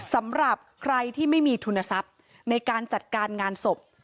สำหรับใครที่ไม่มีทุนทรัพย์ในการจัดการงานศพ